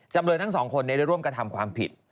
จำเลยทั้งสองคนได้ร่วมกระทำความผิด